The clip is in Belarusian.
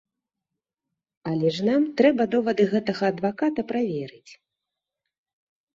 Але ж нам трэба довады гэтага адваката праверыць.